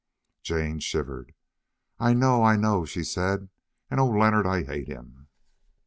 Jane shivered. "I know, I know," she said, "and oh! Leonard, I hate him!"